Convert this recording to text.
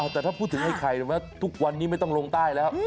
แต่ถ้าพูดถึงไอ้ไข่รู้ไหมทุกวันนี้ไม่ต้องลงใต้แล้ว